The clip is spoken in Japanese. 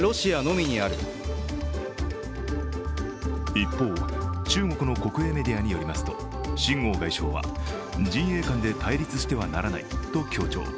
一方、中国の国営メディアによりますと秦剛外相は陣営間で対立してはならないと強調。